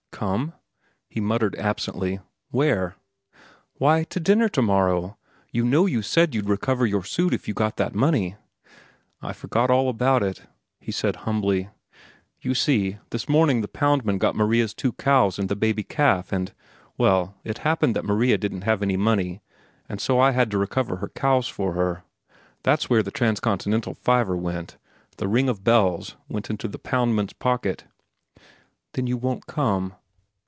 "Come?" he muttered absently. "Where?" "Why, to dinner to morrow. You know you said you'd recover your suit if you got that money." "I forgot all about it," he said humbly. "You see, this morning the poundman got Maria's two cows and the baby calf, and—well, it happened that Maria didn't have any money, and so I had to recover her cows for her. That's where the Transcontinental fiver went—'The Ring of Bells' went into the poundman's pocket." "Then you won't come?"